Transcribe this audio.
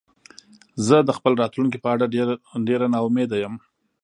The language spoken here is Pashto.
زه د خپل راتلونکې په اړه ډېره نا امیده یم